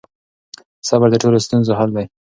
صبر د ټولو ستونزو حل دی.